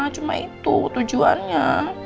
cuma itu tujuannya